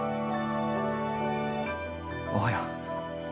おはよう。